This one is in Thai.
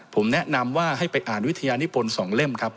ผมแนะนำว่าให้ไปอ่านวิทยานิพล๒เล่มครับ